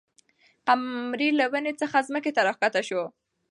قمري له ونې څخه ځمکې ته راښکته شوه.